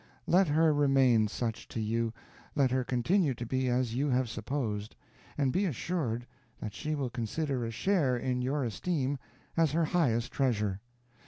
Let her remain such to you, let her continue to be as you have supposed, and be assured that she will consider a share in your esteem as her highest treasure.